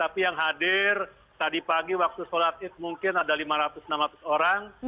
tapi yang hadir tadi pagi waktu sholat id mungkin ada lima ratus enam ratus orang